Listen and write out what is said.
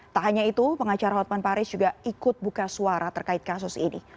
tak hanya itu pengacara hotman paris juga ikut buka suara terkait kasus ini